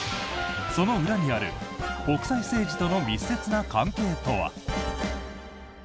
その裏にある国際政治との密接な関係とは？